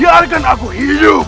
tapi biarkan aku hidup